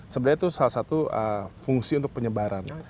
sebenarnya itu salah satu fungsi untuk penyebaran